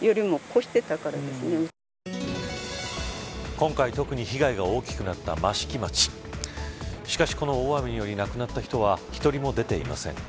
今回、特に被害が大きくなった益城町しかし、この大雨により亡くなった人は一人も出ていません。